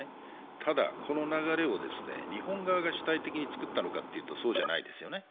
ただこの流れを日本側が主体的に作ったのかというとそうではないですよね。